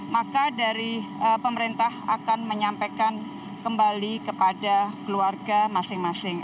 maka dari pemerintah akan menyampaikan kembali kepada keluarga masing masing